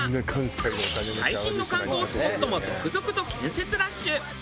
最新の観光スポットも続々と建設ラッシュ！